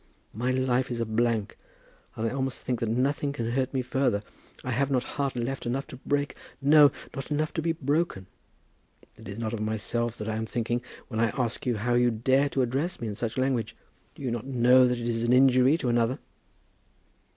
My life is a blank, and I almost think that nothing can hurt me further. I have not heart left enough to break; no, not enough to be broken. It is not of myself that I am thinking, when I ask you how you dare to address me in such language. Do you not know that it is an injury to another?"